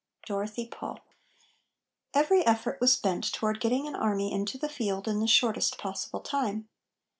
DOROTHY PAUL. Every effort was bent toward getting an army into the field in the shortest possible time.